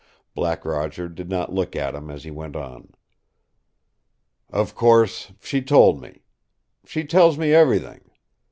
Black Roger did not look at him as he went on. "Of course, she told me. She tells me everything.